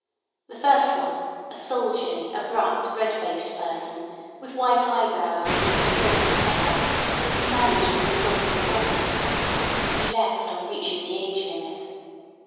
The first one, a soldierly, abrupt, red faced person, with white eyebrows and an explosive temper, could be managed with a silken thread. He left on reaching the age limit.